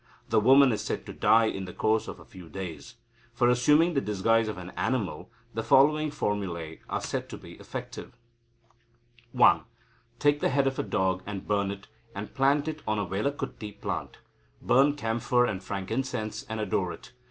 The woman is said to die in the course of a few days. For assuming the disguise of an animal, the following formulæ are said to be effective: 1. Take the head of a dog and burn it, and plant on it a vellakuthi plant. Burn camphor and frankincense, and adore it.